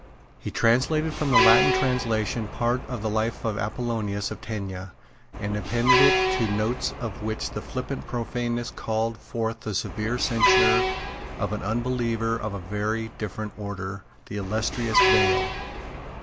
He translated from the Latin translation part of the Life of Apollonius of Tyana, and appended to it notes of which the flippant profaneness called forth the severe censure of an unbeliever of a very different order, the illustrious Bayle.